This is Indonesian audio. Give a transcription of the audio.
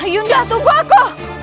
yunda tunggu aku